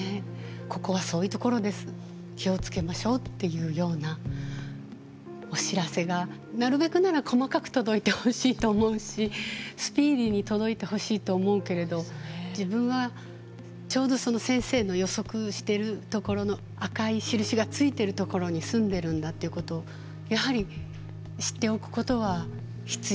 「ここはそういうところです気を付けましょう」っていうようなお知らせがなるべくなら細かく届いてほしいと思うしスピーディーに届いてほしいと思うけれど自分はちょうど先生の予測してるところの赤い印がついてるところに住んでるんだっていうことをやはり知っておくことは必要だと思いますし。